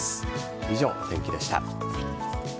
以上、お天気でした。